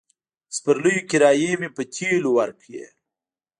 د سپرليو کرايې مې په تيلو ورکړې.